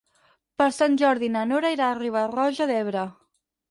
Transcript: Per Sant Jordi na Nora irà a Riba-roja d'Ebre.